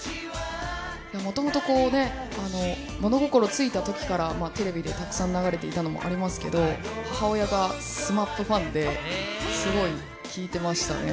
もともと物心ついたときからテレビでたくさん流れていたのもありますけど母親がＳＭＡＰファンですごい聴いてましたね。